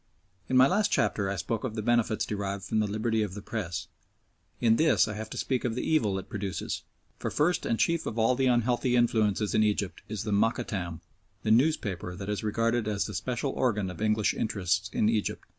In my last chapter I spoke of the benefits derived from the liberty of the Press; in this I have to speak of the evil it produces, for first and chief of all the unhealthy influences in Egypt is the Mokattam, the newspaper that is regarded as the special organ of English interests in Egypt.